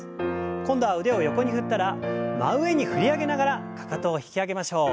今度は腕を横に振ったら真上に振り上げながらかかとを引き上げましょう。